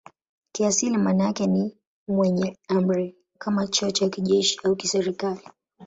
Kiasili maana yake ni "mwenye amri" kama cheo cha kijeshi au kiserikali.